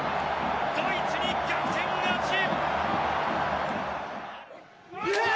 ドイツに逆転勝ち！